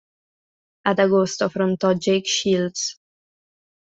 Ad agosto affrontò Jake Shields.